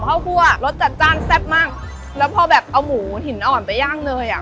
ข้าวคั่วรสจัดจ้านแซ่บมากแล้วพอแบบเอาหมูหินอ่อนไปย่างเนยอ่ะ